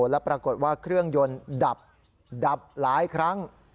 และปรากฏว่าเครื่องยนต์ดับหลายครั้ง